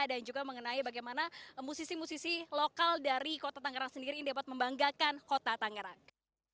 dan juga mengenai bagaimana musisi musisi lokal dari kota tangerang sendiri dapat membanggakan kota tangerang